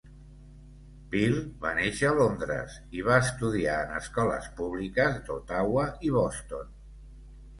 Peel va néixer a Londres i va estudiar en escoles públiques d'Ottawa i Boston.